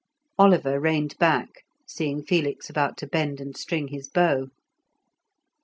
Oliver reined back, seeing Felix about to bend and string his bow.